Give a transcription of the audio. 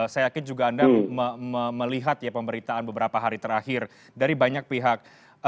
saya yakin juga anda melihat ya pemberitaan beberapa hari terakhir dari banyak pihak